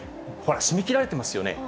閉めきられてますよね。